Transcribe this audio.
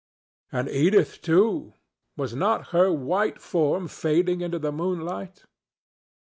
And Edith, too! Was not her white form fading into the moonlight?